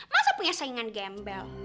masa punya saingan gembel